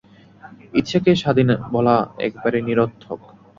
ইচ্ছাকে স্বাধীন বলা একেবারে নিরর্থক।